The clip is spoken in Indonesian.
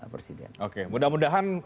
presiden oke mudah mudahan